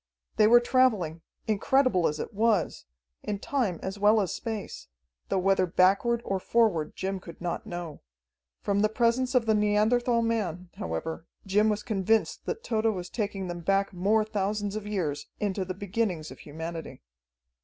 They were traveling incredible as it was in time as well as space, though whether backward or forward Jim could not know. From the presence of the Neanderthal man, however, Jim was convinced that Tode was taking them back more thousands of years, into the beginnings of humanity.